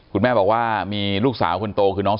คุณแม่บอกว่ามีลูกสาวคนโตคือน้อง